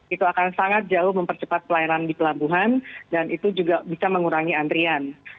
itu akan sangat jauh mempercepat pelayanan di pelabuhan dan itu juga bisa mengurangi antrian